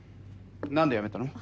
何で辞めたの？